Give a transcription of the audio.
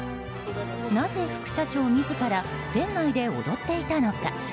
なぜ、副社長自ら店内で踊っていたのか？